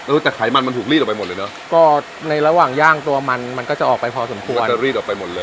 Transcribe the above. จากไขมันมันถูกรีดออกไปหมดเลยเนอะก็ในระหว่างย่างตัวมันมันก็จะออกไปพอสมควรก็จะรีดออกไปหมดเลย